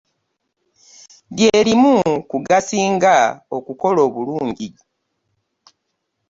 Lye limu ku gasinga okukola obulungi.